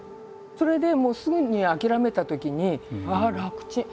それでもうすぐに諦めたときに「楽ちん！